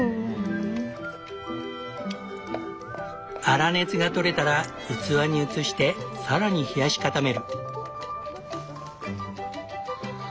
粗熱が取れたら器に移して更に冷やし固める。